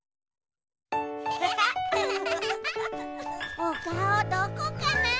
おかおどこかな？